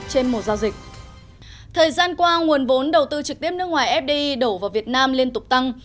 thời gian qua nguồn vốn đầu tư trực tiếp nước ngoài fdi đổ vào việt nam liên tục tăng